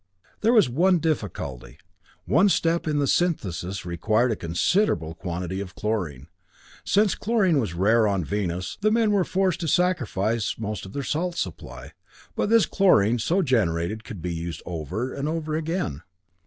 There was one difficulty one step in the synthesis required a considerable quantity of chlorine. Since chlorine was rare on Venus, the men were forced to sacrifice most of their salt supply; but this chlorine so generated could be used over and over again.